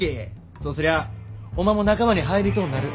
そうすりゃおまんも仲間に入りとうなる。